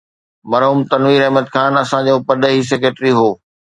مرحوم تنوير احمد خان اسان جو پرڏيهي سيڪريٽري هو.